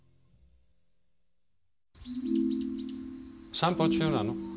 散歩中なの？